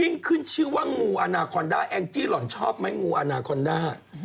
ขึ้นชื่อว่างูอาณาคอนด้าแองจี้หล่อนชอบไหมงูอาณาคอนด้า